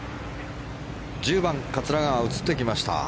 １０番、桂川が映ってきました。